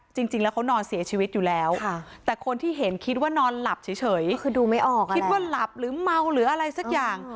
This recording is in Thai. จริงแล้วเขานอนเสียชีวิตอยู่แล้วแต่คนที่เห็นคิดว่านอนหลับเฉยคือดูไม่ออกคิดว่าหลับหรือเมาหรืออะไรสักอย่าง